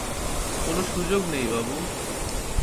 কোনো সুযোগ নেই, বাবু।